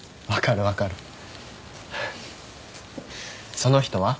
その人は？